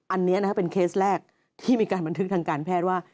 อันนี้นะครับเป็นเคสแรกที่มีการบันทึกทางการแพทย์ว่า